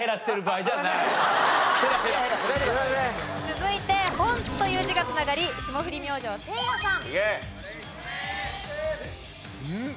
続いて「本」という字が繋がり霜降り明星せいやさん。